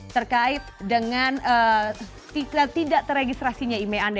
terkait dengan tidak teregistrasinya email anda